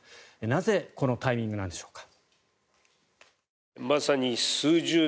なぜこのタイミングなんでしょうか。